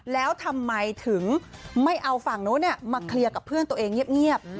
แล้วทำไมถึงไม่เอาฝั่งนู้นมาเคลียร์กับเพื่อนตัวเองเงียบ